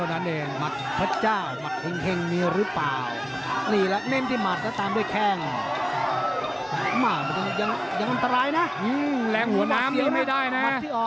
เงินเหล่างหัวน้ำจะไม่ได้นะ